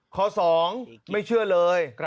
ข้อ๒ไม่เชื่อเลย